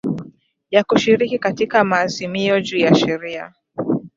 ya kushiriki katika maazimio juu ya sheria